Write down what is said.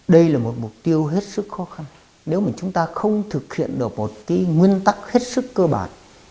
đây là một mục tiêu hết sức khó khăn nếu mà chúng ta không thực hiện được một cái nguyên tắc hết sức cơ bản